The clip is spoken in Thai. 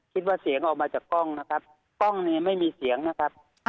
คิดว่าเสียงออกมาจากกล้องนะครับกล้องนี้ไม่มีเสียงนะครับ